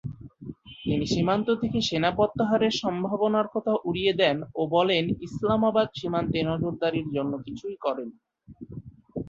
তিনি সীমান্ত থেকে সেনা প্রত্যাহারের সম্ভাবনার কথা উড়িয়ে দেন ও বলেন, ইসলামাবাদ সীমান্তে নজরদারির জন্য কিছুই করেনি।